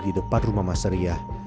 di depan rumah mas riah